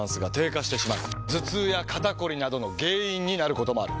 頭痛や肩こりなどの原因になることもある。